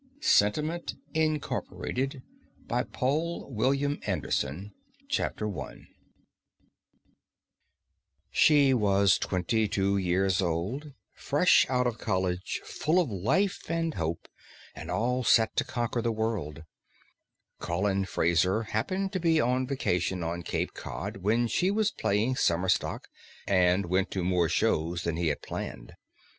_ Sentiment, Inc. by POUL ANDERSON She was twenty two years old, fresh out of college, full of life and hope, and all set to conquer the world. Colin Fraser happened to be on vacation on Cape Cod, where she was playing summer stock, and went to more shows than he had planned.